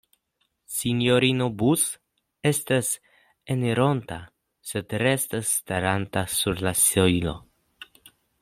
Sinjorino Bus estas enironta, sed restas staranta sur la sojlo.